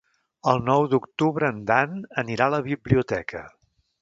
El nou d'octubre en Dan anirà a la biblioteca.